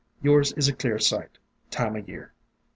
Yours is clear sight, Time o' Year!'